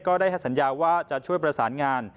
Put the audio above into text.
ได้ให้สัญญาว่าจะช่วยประสานงาน